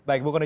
baik bu kono